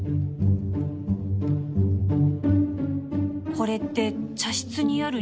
これって茶室にあるにじり口